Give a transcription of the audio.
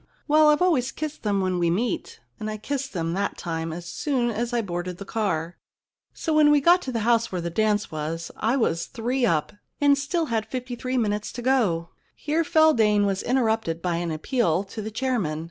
Well, I've always kissed them when we met, and I kissed them that time as soon as I boarded the car. So when 26 The Kiss Problem we got to the house where the dance was I was three up and still had fifty three minutes to go.' Here Feldane was interrupted by an appeal to the chairman.